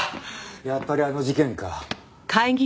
やっぱりあの事件か。